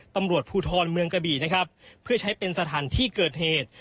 ตำรวจภูทรเมืองกระบี่นะครับเพื่อใช้เป็นสถานที่เกิดเหตุ